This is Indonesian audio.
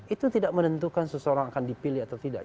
itu tidak menentukan seseorang akan dipilih atau tidak